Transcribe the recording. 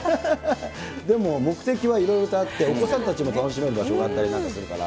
でも目的はいろいろとあって、お子さんたちも楽しめる場所があったりなんかするから。